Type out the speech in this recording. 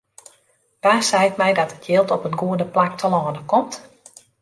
Wa seit my dat it jild op it goede plak telâne komt?